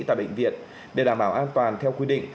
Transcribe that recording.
tại bệnh viện để đảm bảo an toàn theo quy định